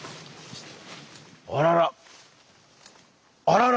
あらら！